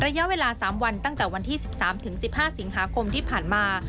ระยะเวลา๓วันตั้งแต่วันที่๑๓๑๕สิงหาคมที่ผ่านมา